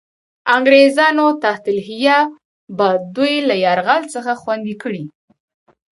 انګرېزانو تحت الحیه به دوی له یرغل څخه خوندي کړي.